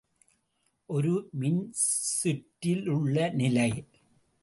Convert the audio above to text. ஒரு மின்சுற்றிலுள்ள நிலை.